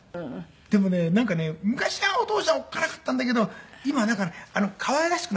でもねなんかね昔はお父ちゃんおっかなかったんだけど今はなんか可愛らしくなっちゃいましたよ。